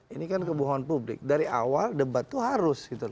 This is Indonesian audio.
ini kan kebohongan publik dari awal debat itu harus